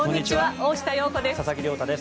大下容子です。